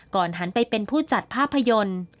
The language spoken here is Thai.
หันไปเป็นผู้จัดภาพยนตร์